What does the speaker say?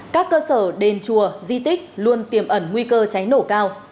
các cơ sở đền chùa di tích luôn tiềm ẩn nguy cơ cháy nổ cao